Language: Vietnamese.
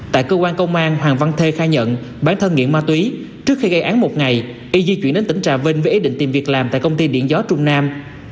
tại cơ quan công an hoàng văn thê khai nhận bản thân nghiện ma túy trước khi gây án một ngày y di chuyển đến tỉnh trà vinh với ý định tìm việc làm tại công ty điện gió trung nam